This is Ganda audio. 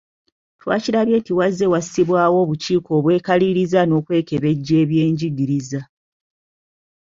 Twakirabye nti wazze wassibwawo obukiiko obwekaliriza n'okwekebejja eby'enjigiriza.